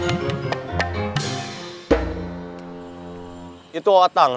saya mau mencari teman teman yang lebih baik untuk menjaga kemampuan saya